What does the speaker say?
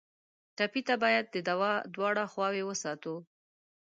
ټپي ته باید د دوا دواړه خواوې وساتو.